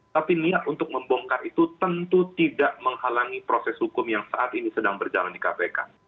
tapi niat untuk membongkar itu tentu tidak menghalangi proses hukum yang saat ini sedang berjalan di kpk